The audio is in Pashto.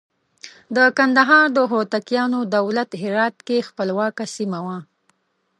د کندهار د هوتکیانو دولت هرات کې خپلواکه سیمه وه.